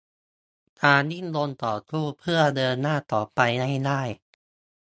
การดิ้นรนต่อสู้เพื่อเดินหน้าไปให้ได้